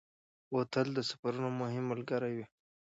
بوتل د سفرونو مهم ملګری وي.